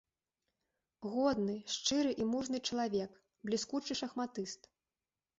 Годны, шчыры і мужны чалавек, бліскучы шахматыст.